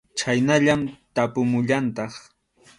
Chhaynallaman tapumullantaq.